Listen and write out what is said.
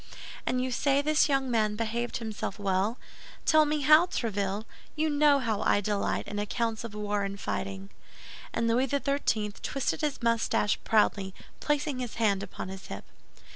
"And you say this young man behaved himself well? Tell me how, Tréville—you know how I delight in accounts of war and fighting." And Louis XIII. twisted his mustache proudly, placing his hand upon his hip.